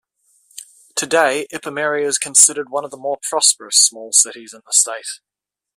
Today Ipameri is considered one of the more prosperous small cities in the state.